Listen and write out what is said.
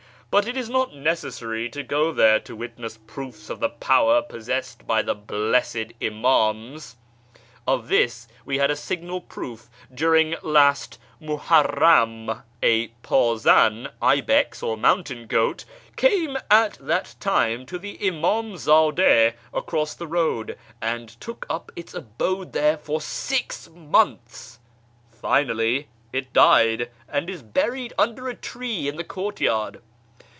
But it is not necessary to go there to witness proofs of the power possessed by the blessed Imams. Of this we had a signal proof during last Muharram. A pdzan (ibex or mountain goat) came at that time to the Imamzad^ across the road, and took up its abode there for six months. Finally it died, and is buried under a tree in the courtyard.